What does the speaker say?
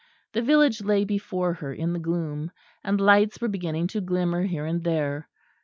The village lay before her in the gloom; and lights were beginning to glimmer here and there.